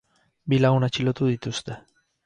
Bi lagun atxilotu dituzte.